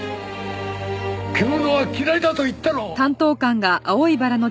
獣は嫌いだと言ったろう！